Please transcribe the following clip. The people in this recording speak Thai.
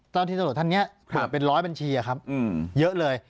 เจ้าที่ตำรวจท่านนี้เปิดเป็นร้อยบัญชีครับเยอะเลย